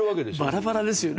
バラバラですよね。